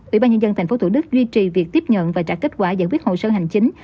ủy ban nhân dân tp thủ đức duy trì việc tiếp nhận và trả kết quả giải quyết hồ sơ hành chính